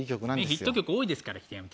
ヒット曲多いですからＴＲＦ。